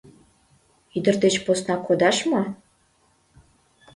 Ӱдыр деч посна кодаш мо?